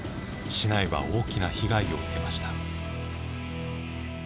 市内は大きな被害を受けました。